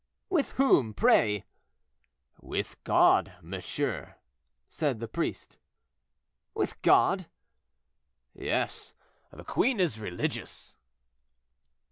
"With whom, pray?" "With God, monsieur," said the priest. "With God?" "Yes, the queen is religious."